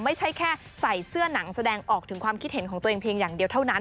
ไม่ใช่แค่ใส่เสื้อหนังแสดงออกถึงความคิดเห็นของตัวเองเพียงอย่างเดียวเท่านั้น